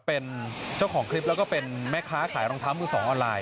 เป็นเจ้าของคลิปแล้วก็เป็นแม่ค้าขายรองเท้ามือสองออนไลน